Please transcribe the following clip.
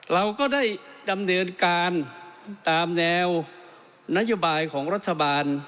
เราก็ได้ดำเนินการตามแนวนโยบายของรัฐบาล